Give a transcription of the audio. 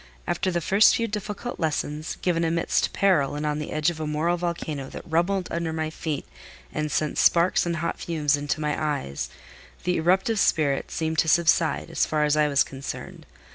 After the first few difficult lessons, given amidst peril and on the edge of a moral volcano that rumbled under my feet and sent sparks and hot fumes into my eyes, the eruptive spirit seemed to subside, as far as I was concerned.